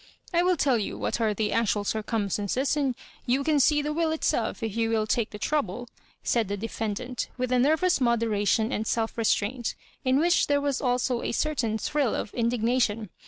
" I will tell you what are the actual circumstances, and you can see the will itself if you will take the trouble," said the defendant, with a nervous moderation and self restraint, in which there was also a certain thrill of indignation.